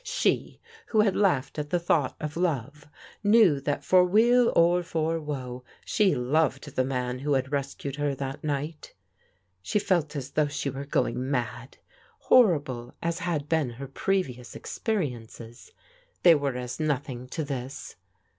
She, who had laughed at the thought of love, knew that for weal or for woe, she loved the man who had rescued her that night. She felt as though she were going mad. Horrible as THE HORROR OP THE AWAKENING 243 had been her previous experiences, they were as nothing to this.